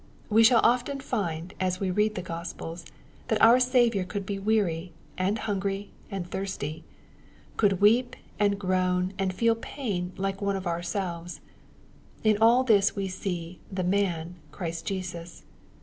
We shall often find, as we read the Gospels, that our Saviour could be weary, and hungry, and thirsty, — could weep, and groan, and feel pain like one of our selves. In all this we see ^^ the man" Christ Jesus.